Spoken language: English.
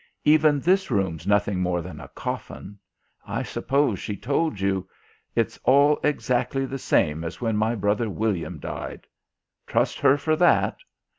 "Even this room's nothing more than a coffin. I suppose she told you 'It's all exactly the same as when my brother William died' trust her for that!